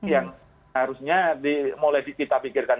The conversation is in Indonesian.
yang harusnya mulai kita pikirkan